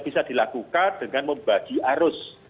bisa dilakukan dengan membagi arus